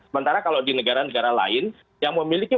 sementara kalau di negara negara lain yang memiliki